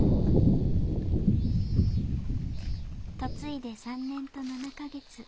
嫁いで３年と７か月。